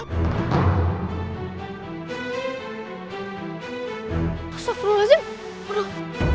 nggak bisa berenang